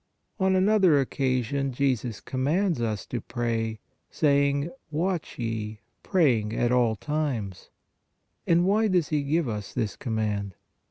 On another oc casion Jesus commands us to pray, saying :" Watch ye, praying at all times "; and why does He give us this command?